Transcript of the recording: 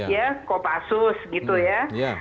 ya kopassus gitu ya